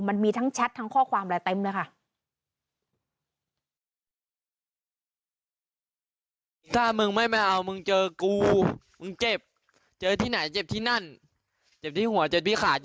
มันมีทั้งแชททั้งข้อความอะไรเต็มเลยค่ะ